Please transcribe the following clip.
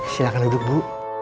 silahkan duduk bu